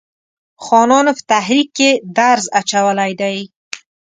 خانانو په تحریک کې درز اچولی دی.